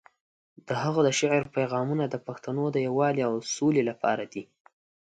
د هغه د شعر پیغامونه د پښتنو د یووالي او سولې لپاره دي.